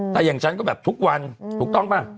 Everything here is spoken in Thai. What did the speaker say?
ถ้าอย่างฉันก็แบบทุกวันถูกต้องป่ะ